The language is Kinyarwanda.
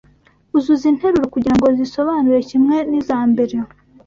Uzuza interuro kugirango zisobanure kimwe nizambere